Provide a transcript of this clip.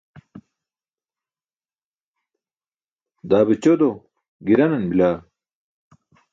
Daa be ćodo giranan bilaa?